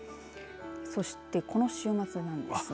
そしてこの週末なんですが。